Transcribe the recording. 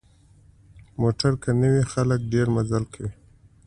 موټر که نه وي، خلک ډېر مزل کوي.